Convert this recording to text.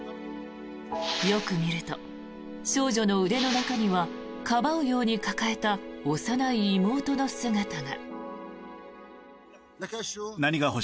よく見ると、少女の腕の中にはかばうように抱えた幼い妹の姿が。